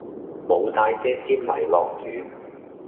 無帶遮先嚟落雨